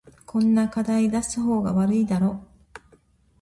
こんな課題出す方が悪いだろ